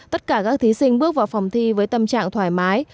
tất cả các thí sinh bước vào phòng thi với tâm trạng thoải mái